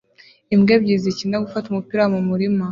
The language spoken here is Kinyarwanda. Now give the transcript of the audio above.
Imbwa ebyiri zikina gufata umupira mumurima